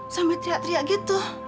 sampai teriak teriak gitu